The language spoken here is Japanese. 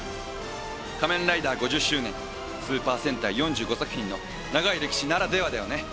『仮面ライダー』５０周年スーパー戦隊４５作品の長い歴史ならではだよね。